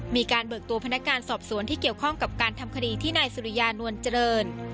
เบิกตัวพนักงานสอบสวนที่เกี่ยวข้องกับการทำคดีที่นายสุริยานวลเจริญ